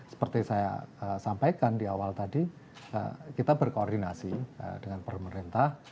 seperti saya sampaikan di awal tadi kita berkoordinasi dengan pemerintah